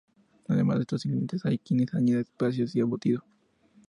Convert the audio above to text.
Además de estos ingredientes, hay quien añade especias o embutido.